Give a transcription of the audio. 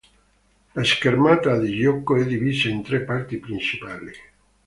La schermata di gioco è divisa in tre parti principali.